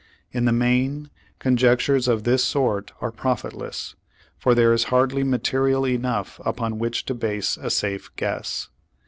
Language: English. In the main, conjectures of this sort are profitless, for there is hardly material enough upon which to base a safe guess.